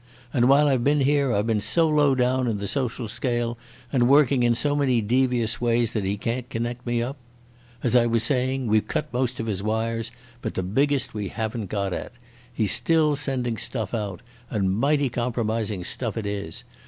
And while I've been here I've been so low down in the social scale and working in so many devious ways that he can't connect me up.... As I was saying, we've cut most of his wires, but the biggest we haven't got at. He's still sending stuff out, and mighty compromising stuff it is.